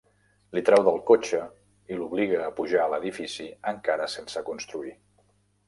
Li treu del cotxe i l'obliga a pujar a l'edifici encara sense construir.